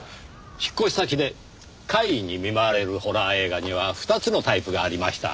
引っ越し先で怪異に見舞われるホラー映画には２つのタイプがありました。